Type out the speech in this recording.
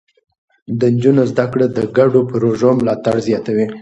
د نجونو زده کړه د ګډو پروژو ملاتړ زياتوي.